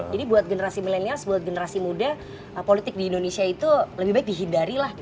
jadi buat generasi milenial buat generasi muda politik di indonesia itu lebih baik dihindari lah